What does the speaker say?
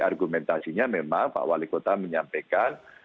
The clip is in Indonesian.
argumentasinya memang pak wali kota menyampaikan